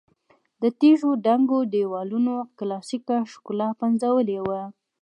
د تیږو دنګو دېوالونو کلاسیکه ښکلا پنځولې وه.